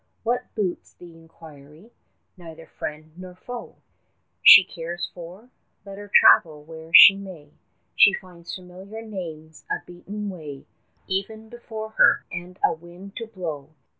What boots the inquiry? Neither friend nor foe 5 She cares for; let her travel where she may, She finds familiar names, a beaten way Ever before her, and a wind to blow.